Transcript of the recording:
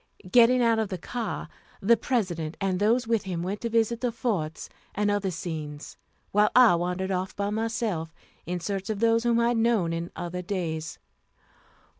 Getting out of the car, the President and those with him went to visit the forts and other scenes, while I wandered off by myself in search of those whom I had known in other days.